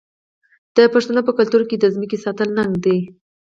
د پښتنو په کلتور کې د ځمکې ساتل ننګ دی.